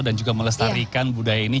dan juga melestarikan budaya ini